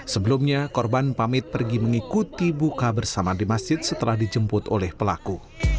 sebelumnya korban pamit pergi mengikuti buka bersama di masjid setelah dijemput oleh pelaku